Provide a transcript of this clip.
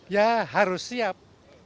ya harus siap